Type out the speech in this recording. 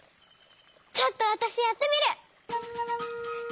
ちょっとわたしやってみる！